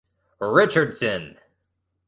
Richardson.